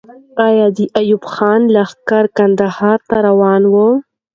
آیا د ایوب خان لښکر کندهار ته روان وو؟